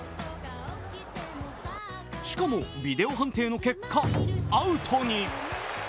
しかも、ビデオ判定の結果アウトに。